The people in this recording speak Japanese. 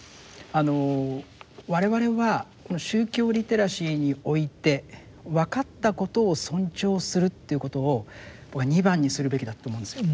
我々はこの宗教リテラシーにおいてわかったことを尊重するっていうことを２番にするべきだと思うんです。